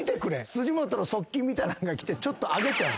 辻本の側近みたいなんが来てちょっと上げてん。